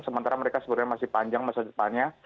sementara mereka sebenarnya masih panjang masa depannya